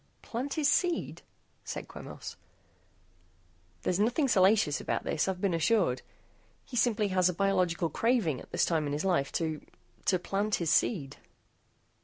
"Plant his seed?" said Quemos. "There's nothing salacious about this, I've been assured. He simply has a biological craving at this time in his life to to plant his seed."